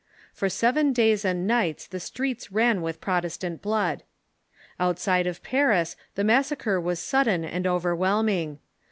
For seven days and nights the streets ran with Protestant blood. Outside of Paris the massacre was sudden and overwhelming.